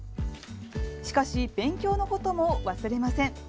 しかし、勉強のことも忘れません。